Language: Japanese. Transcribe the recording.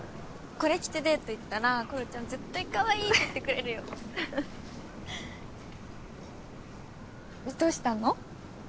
これ着てデート行ったらころちゃん絶対かわいいって言ってくれるよどうしたの？